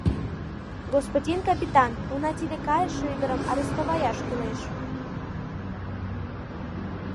Господин капитан, уна тиде кайыше ӱдырым арестоваяш кӱлеш.